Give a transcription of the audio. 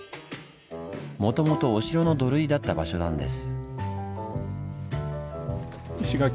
もともとお城の土塁だった場所なんです。